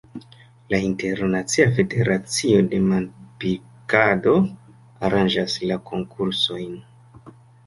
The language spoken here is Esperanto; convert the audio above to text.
La Internacia Federacio de Manpilkado aranĝas la konkursojn.